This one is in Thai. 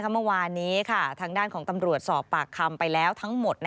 เมื่อวานนี้ทางด้านของตำรวจสอบปากคำไปแล้วทั้งหมด